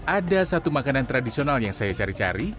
ada satu makanan tradisional yang saya cari cari